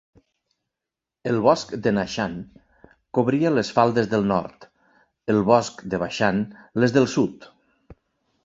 El bosc de Nanshan cobria les faldes del nord; el bosc de Bashan, les del sud.